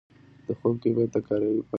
د خوب کیفیت د کاري فعالیت اغېزمنوي.